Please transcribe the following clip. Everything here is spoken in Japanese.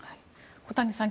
小谷さん